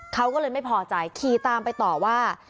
เขาก็เลยไม่พอใจขี่ตามไปต่อว่า